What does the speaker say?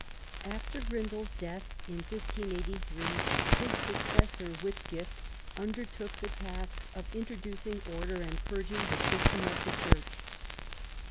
After Grindal's death, in 1583, his successor, Whitgift, undertook the task of introducing order, and purging the system of the Church.